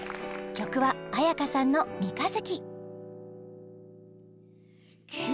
曲は絢香さんの「三日月」